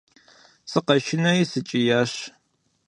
Сыкъэшынэри, сыкӀиящ.